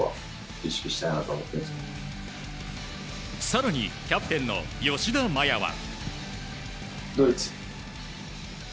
更にキャプテンの吉田麻也は。